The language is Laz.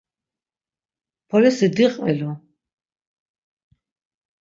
Polisi diqvilu!